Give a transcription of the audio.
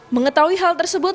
mengetahui hal tersebut